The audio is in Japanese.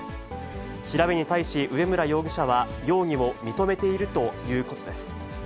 調べに対し植村容疑者は、容疑を認めているということです。